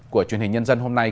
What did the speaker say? của truyền hình nhân dân hôm nay